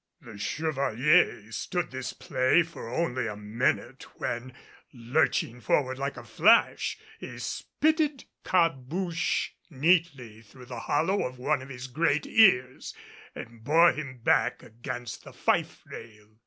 The Chevalier stood this play for only a minute, when, lurching forward like a flash, he spitted Cabouche neatly through the hollow of one of his great ears, and bore him back against the fife rail.